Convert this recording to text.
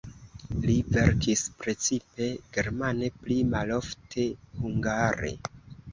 Li verkis precipe germane, pli malofte hungare.